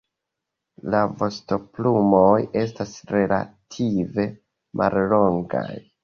La vostoplumoj estas relative mallongaj.